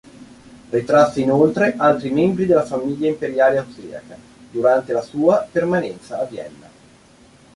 Ritrasse inoltre altri membri della famiglia imperiale austriaca durante la sua permanenza a Vienna.